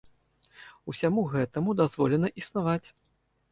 Усяму гэтаму дазволена існаваць.